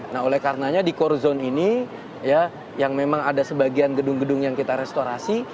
nah oleh karenanya di core zone ini ya yang memang ada sebagian gedung gedung yang kita restorasi